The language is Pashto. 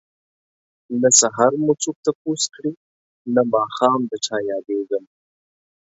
نه سحر مو څوک تپوس کړي نه ماښام ده چه ياديږم